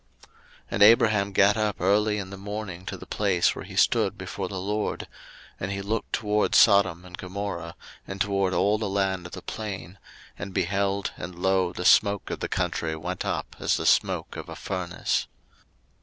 01:019:027 And Abraham gat up early in the morning to the place where he stood before the LORD: 01:019:028 And he looked toward Sodom and Gomorrah, and toward all the land of the plain, and beheld, and, lo, the smoke of the country went up as the smoke of a furnace.